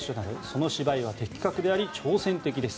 その芝居は的確であり挑戦的です。